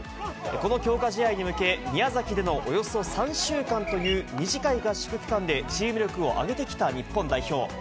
この強化試合に向け、宮崎でのおよそ３週間という短い合宿期間でチーム力を上げてきた日本代表。